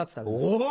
お！